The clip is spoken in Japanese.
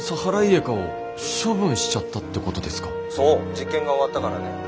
実験が終わったからね。